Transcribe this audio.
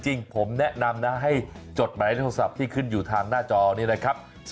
ข้างบัวแห่งสันยินดีต้อนรับทุกท่านนะครับ